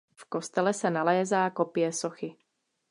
V kostele se nalézá kopie sochy.